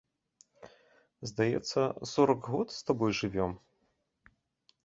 Здаецца, сорак год з табою жывём?